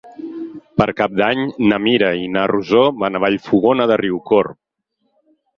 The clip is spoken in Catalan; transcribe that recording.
Per Cap d'Any na Mira i na Rosó van a Vallfogona de Riucorb.